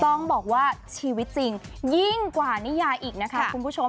ต้องบอกว่าชีวิตจริงยิ่งกว่านิยายอีกนะคะคุณผู้ชม